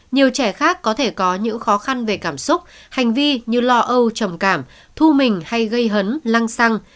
nhiều trẻ khác có thể có những khó khăn về cảm xúc hành vi như lo âu trầm cảm thu mình hay gây hấn lăng xăng